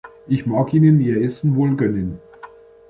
Ich mag ihnen ihr Essen wohl gönnen.